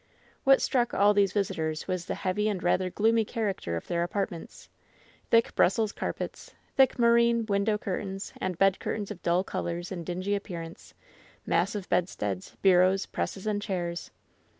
What struck all these visitors was the heavy and rather gloomy character of their apartments. Thick Brussels carpets, thick moreen window curtains, and bed curtains of dull colors and dingy appearance, mas sive bedsteads, bureaus, presses and chairs.